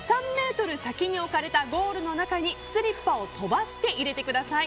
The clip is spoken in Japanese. ３ｍ先に置かれたゴールの中にスリッパを飛ばして入れてください。